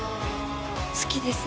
好きです。